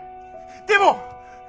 でも！